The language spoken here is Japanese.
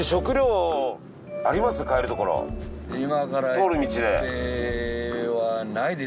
通る道で。